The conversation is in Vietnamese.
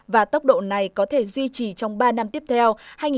và tốc độ này có thể duy trì trong ba năm tiếp theo hai nghìn một mươi tám hai nghìn hai mươi